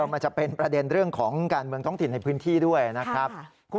มันจะเป็นประเด็นเรื่องของการเมืองท้องถิ่นในพื้นที่ด้วยนะครับ